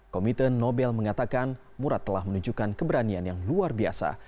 komite nobel mengatakan murad telah menunjukkan keberanian yang luar biasa